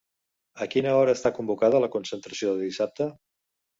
A quina hora està convocada la concentració de dissabte?